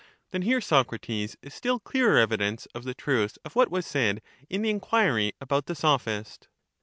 Then here, Socrates, is still clearer evidence of the truth of what was said in the enquiry about the Sophist'.